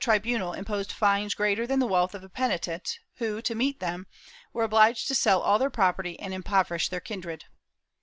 360 MOBISCOS [Book VIII bunal imposed fines greater than the wealth of the penitents who, to meet them, were obHged to sell all their property and impoverish their kindred.